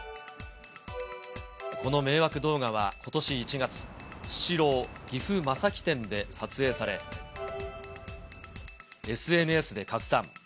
この迷惑動画はことし１月、スシロー岐阜正木店で撮影され、ＳＮＳで拡散。